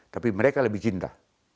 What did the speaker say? tapi mereka lebih cinta